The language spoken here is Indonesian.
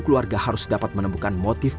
keluarga harus dapat menemukan motif